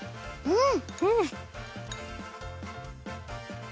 うん。